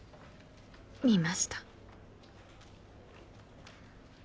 見ました。